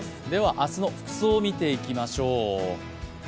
明日の服装を見ていきましょう。